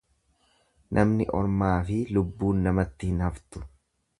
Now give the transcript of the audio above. Namni ormaafi lubbuun namatti hin haftu.